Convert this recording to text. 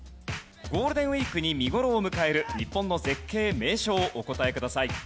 ゴールデンウィークに見頃を迎える日本の絶景・名所をお答えください。